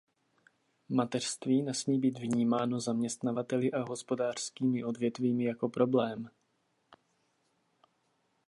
Mateřství nesmí být vnímáno zaměstnavateli a hospodářskými odvětvími jako problém.